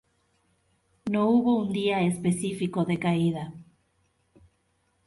No hubo un día específico de caída.